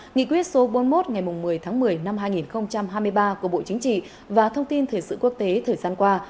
nghị quyết số bốn mươi một ngày một mươi tháng một mươi năm hai nghìn hai mươi ba của bộ chính trị và thông tin thể sự quốc tế thời gian qua